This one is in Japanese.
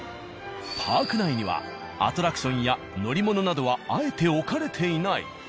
パーク内にはアトラクションや乗り物などはあえて置かれていない。